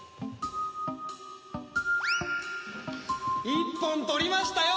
一本取りましたよ